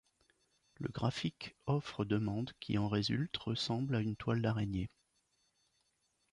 Le graphique offre-demande qui en résulte ressemble à une toile d’araignée.